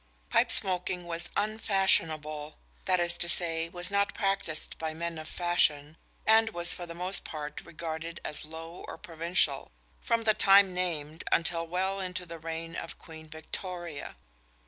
Pipe smoking was unfashionable that is to say, was not practised by men of fashion, and was for the most part regarded as "low" or provincial from the time named until well into the reign of Queen Victoria.